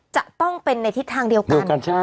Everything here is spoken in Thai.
จะต้องเป็นในทิศทางเดียวกัน